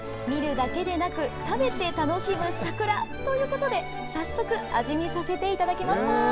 見るだけでなく、食べて楽しむ桜ということで、早速、味見させていただきました。